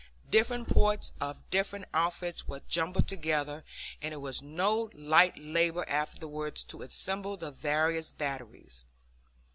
Different parts of different outfits were jumbled together, and it was no light labor afterwards to assemble the various batteries.